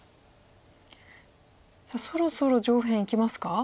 さあそろそろ上辺いきますか？